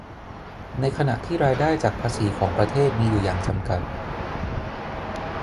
ในขณะที่รายได้จากภาษีของประเทศมีอยู่อย่างจำกัด